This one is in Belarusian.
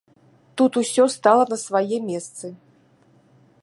Тут усё стала на свае месцы.